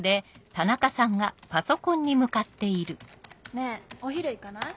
ねぇお昼行かない？